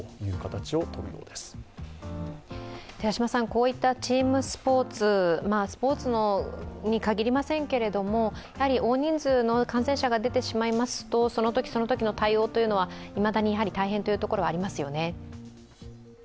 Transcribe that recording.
こういったチームスポーツ、スポーツに限りませんけれども、大人数の感染者が出てしまいますと、そのときそのときの対応はいまだに大変というところはありますよね。